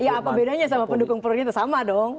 ya apa bedanya sama pendukung perutnya itu sama dong